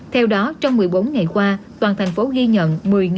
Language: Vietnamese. theo đó trong một mươi bốn ngày qua toàn thành phố ghi nhận